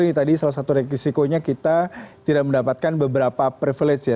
ini tadi salah satu reksikonya kita tidak mendapatkan beberapa privilege ya